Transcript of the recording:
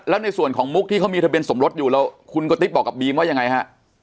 แล้วในส่วนของมุกที่เขามีทะเบียนสมรสอยู่แล้วคุณกระติ๊บบอกกับบีมว่ายังไงฮะ